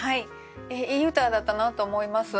いい歌だったなと思います。